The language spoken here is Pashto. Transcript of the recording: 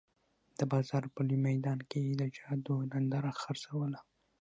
د بازار په لوی میدان کې یې د جادو ننداره خرڅوله.